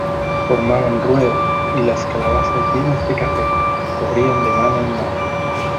formaban rueda, y las calabazas llenas de café , corrían de mano en mano.